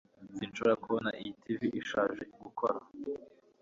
sinshobora kubona iyi tv ishaje gukora